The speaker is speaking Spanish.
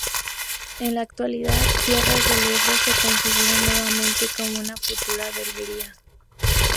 En la actualidad Tierras del Ebro se configura nuevamente como una futura veguería.